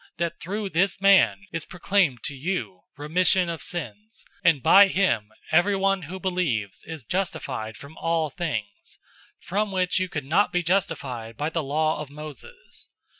"}, that through this man is proclaimed to you remission of sins, 013:039 and by him everyone who believes is justified from all things, from which you could not be justified by the law of Moses.